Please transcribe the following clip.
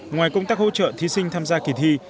ngoài công tác hỗ trợ thí sinh tham gia kỳ thi